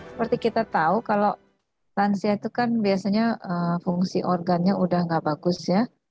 seperti kita tahu kalau lansia itu kan biasanya fungsi organnya udah nggak bagus ya